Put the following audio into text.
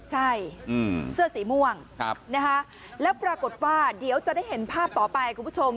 ใช่เสื้อสีม่วงแล้วปรากฏว่าเดี๋ยวจะได้เห็นภาพต่อไปคุณผู้ชม